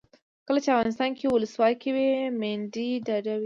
کله چې افغانستان کې ولسواکي وي میندې ډاډه وي.